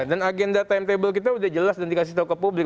dan agenda timetable kita udah jelas dan dikasih tahu ke publik